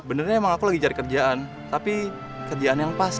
benernya emang aku lagi cari kerjaan tapi kerjaan yang pas